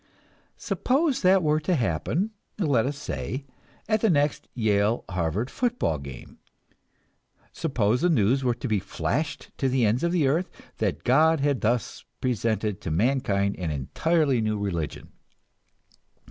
Suppose that were to happen, let us say, at the next Yale Harvard football game; suppose the news were to be flashed to the ends of the earth that God had thus presented to mankind an entirely new religion.